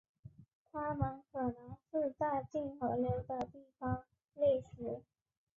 它们可能是在近河流的地方猎食。